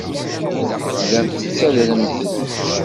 Tellamt tettadremt-d.